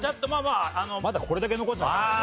まだこれだけ残ってますからね。